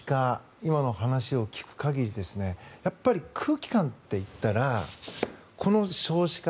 今の話を聞く限りやっぱり空気感っていったらこの招子化。